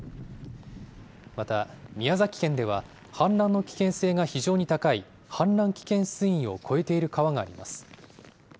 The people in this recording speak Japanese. また、宮崎県では氾濫の危険性が非常に高い、氾濫危険水位を超えている川があります。